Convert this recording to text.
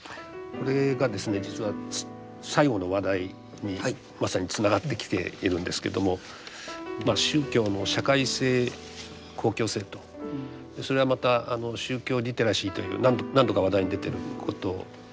これがですね実は最後の話題にまさにつながってきているんですけども宗教の社会性公共性とそれはまた宗教リテラシーという何度か話題に出てることとも関わってます。